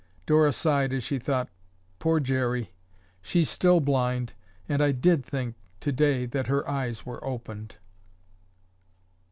Dora sighed as she thought, "Poor Jerry. She's still blind and I did think today that her eyes were opened."